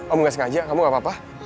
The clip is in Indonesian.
omong gak sengaja kamu gak apa apa